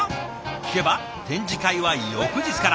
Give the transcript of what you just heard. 聞けば展示会は翌日から。